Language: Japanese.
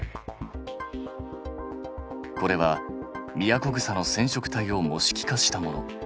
これはミヤコグサの染色体を模式化したもの。